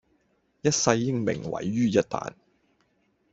一世英名毀於一旦